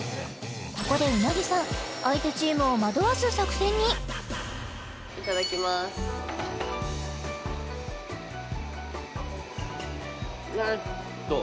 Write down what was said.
ここで鰻さん相手チームを惑わす作戦にいただきますどう？